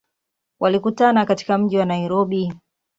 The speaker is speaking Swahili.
Walikutana katika mji wa Nairobi.